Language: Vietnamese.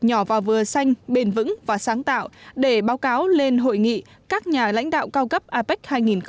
nhỏ và vừa xanh bền vững và sáng tạo để báo cáo lên hội nghị các nhà lãnh đạo cao cấp apec hai nghìn hai mươi